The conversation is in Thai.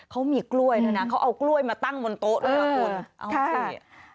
เขามีกล้วยด้วยนะเขาเอากล้วยมาตั้งบนโต๊ะด้วย